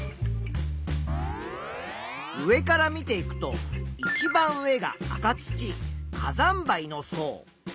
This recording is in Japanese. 上から見ていくといちばん上が赤土火山灰の層。